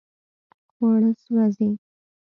خواړه سوځي